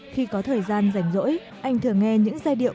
khi có thời gian dành dỗi anh thường nghe những giai điệu